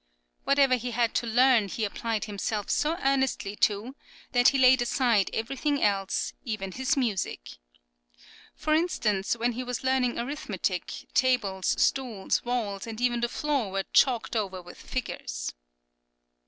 Whatever he had to learn he applied himself so earnestly to, that he laid aside everything else, even his music. For instance, when he was learning arithmetic, tables, stools, walls, and even the floor were chalked over with figures.